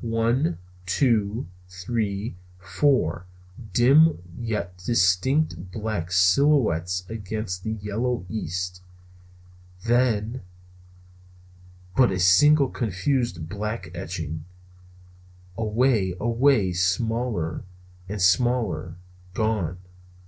One, two, three, four dim yet distinct black silhouettes against the yellow east; then but a single confused black etching; away, away, smaller and smaller, gone!